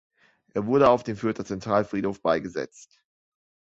Er wurde auf dem Fürther Zentralfriedhof beigesetzt.